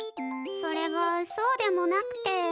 それがそうでもなくて。